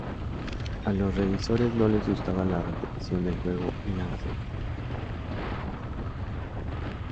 A los revisores no les gustaba la repetición del juego y la narración.